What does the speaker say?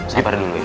saya pergi dulu ya